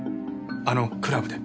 あのクラブで。